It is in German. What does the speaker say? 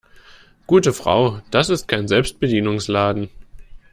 Gute Frau, das ist kein Selbstbedienungsladen.